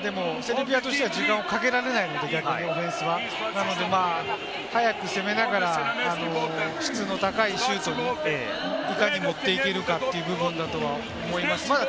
でも、セルビアとしては時間かけられないのでオフェンスは、なので早く攻めながら質の高いシュートに、いかに持っていけるかという部分だとは思います。